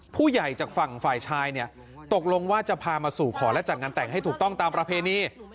ผู้ใหญ่จากฝั่งฝ่ายชายเนี่ยตกลงว่าจะพามาสู่ขอและจัดงานแต่งให้ถูกต้องตามประเพณี